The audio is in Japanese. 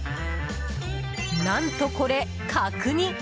何とこれ、角煮！